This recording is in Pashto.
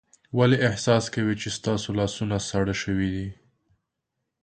ولې احساس کوئ چې ستاسو لاسونه ساړه شوي دي؟